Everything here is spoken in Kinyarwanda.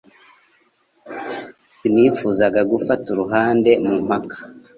Sinifuzaga gufata uruhande mu mpaka.